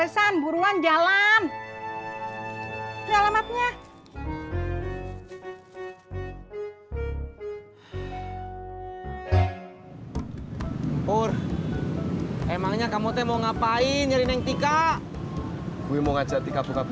sampai jumpa di video selanjutnya